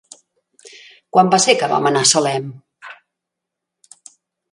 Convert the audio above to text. Quan va ser que vam anar a Salem?